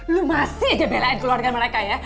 lu masih aja belain keluarga mereka ya